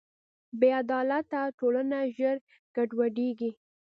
بېعدالته ټولنه ژر ګډوډېږي.